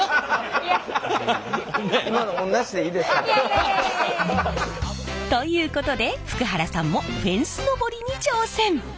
いやいやいやいや！ということで福原さんもフェンス登りに挑戦！